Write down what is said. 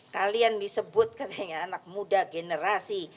kalian disebut katanya anak muda generasi